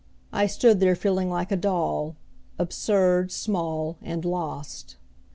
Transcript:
I stood there feeling like a doll, absurd, small and lost.